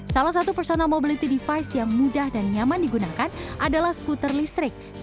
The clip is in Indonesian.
salah satu personal mobility device yang mudah dan nyaman digunakan adalah skuter listrik